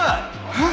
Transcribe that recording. えっ。